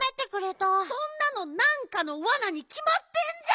そんなのなんかのワナにきまってんじゃん！